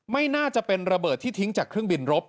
ไม่น่าจะเป็นระเบิดที่ทิ้งจากเครื่องบินรบ